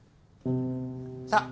さあ